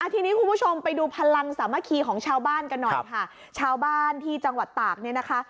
ทีนี้คุณผู้ชมไปดูพลังสามัคคีของชาวบ้านกันหน่อยค่ะชาวบ้านที่จังหวัดตากเนี่ยนะคะ